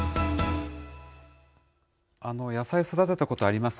野菜育てたことありますか？